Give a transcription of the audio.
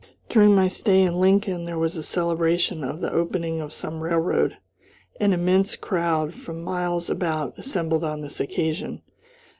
During my stay in Lincoln there was a celebration of the opening of some railroad. An immense crowd from miles about assembled on this occasion.